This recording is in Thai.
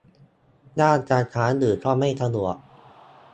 ย่านการค้าอื่นก็ไม่สะดวก